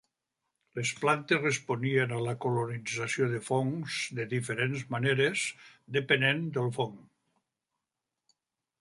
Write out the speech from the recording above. Les plantes responien a la colonització de fongs de diferents maneres depenent del fong.